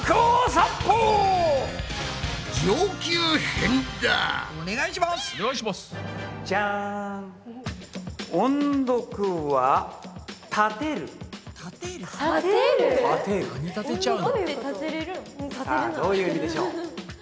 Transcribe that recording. さあどういう意味でしょう？